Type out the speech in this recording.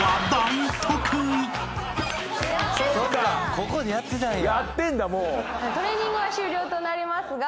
ここでやってたんや。